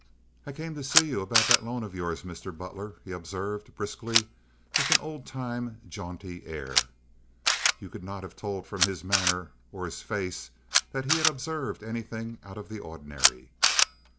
"I came to see you about that loan of yours, Mr. Butler," he observed, briskly, with an old time, jaunty air. You could not have told from his manner or his face that he had observed anything out of the ordinary.